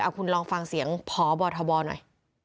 คุณลองฟังเสียงพบทบหน่อย